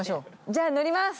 じゃあのります。